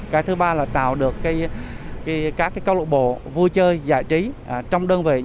cái thứ ba là tạo được các club vui chơi giải trí trong đơn vị